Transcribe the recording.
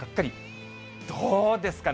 どうですかね？